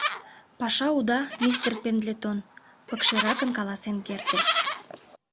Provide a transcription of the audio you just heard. — Паша уда, мистер Пендлетон, — пыкшеракын каласен керте.